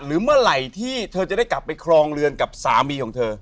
เมื่อไหร่ที่เธอจะได้กลับไปครองเรือนกับสามีของเธอ